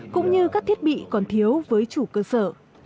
cũng như các thiết bị còn thiếu với chủ cơ sở